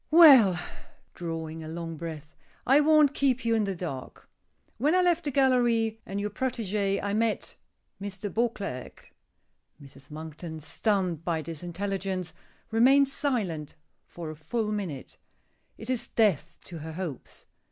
Well," drawing a long breath, "I won't keep you in the dark. When I left the gallery, and your protégé, I met Mr. Beauclerk!" Mrs. Monkton, stunned by this intelligence, remains silent for a full minute. It is death to her hopes.